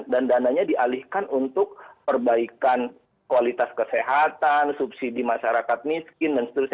dan dananya dialihkan untuk perbaikan kualitas kesehatan subsidi masyarakat miskin dan seterusnya